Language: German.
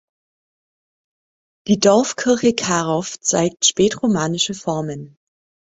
Die Dorfkirche Karow zeigt spätromanische Formen.